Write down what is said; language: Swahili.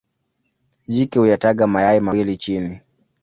Jike huyataga mayai mawili chini.